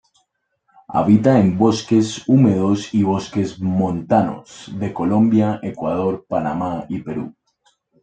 Habita en bosques húmedos y bosques montanos de Colombia, Ecuador, Panamá y Perú.